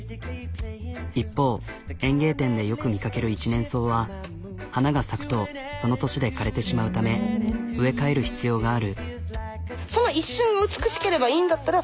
一方園芸店でよく見かける一年草は花が咲くとその年で枯れてしまうため植え替える必要がある。